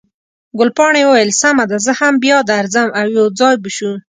ګلپاڼې وویل، سمه ده، زه هم بیا درځم، او یو ځای به شو.